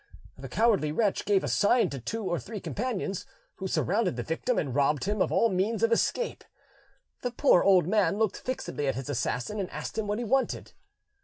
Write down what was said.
The cowardly wretch gave a sign to two or three companions, who surrounded the victim and robbed him of all means of escape. The poor old man looked fixedly at his assassin, and asked him what he wanted.